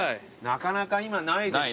なかなか今ないでしょ。